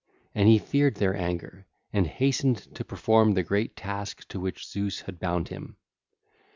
And he feared their anger, and hastened to perform the great task to which Zeus had bound him.